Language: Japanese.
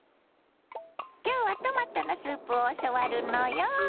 今日はトマトのスープを教わるのよ。